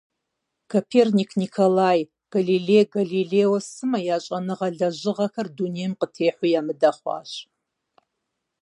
Коперник Николай, Галилей Галилео сымэ я щӏэныгъэ лэжьыгъэхэр дунейм къытехьэу ямыдэ хъуащ.